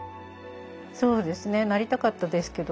そうですねなりたかったですけど。